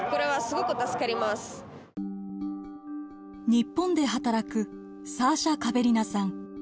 日本で働くサーシャ・カベリナさん。